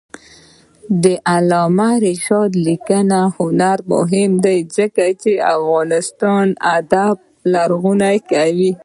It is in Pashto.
د علامه رشاد لیکنی هنر مهم دی ځکه چې افغانستان ادب غني کوي.